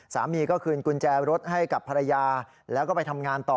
สามีก็คืนกุญแจรถให้กับภรรยาแล้วก็ไปทำงานต่อ